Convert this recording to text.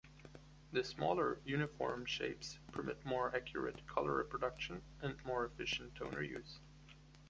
The smaller, uniform shapes permit more accurate colour reproduction and more efficient toner use.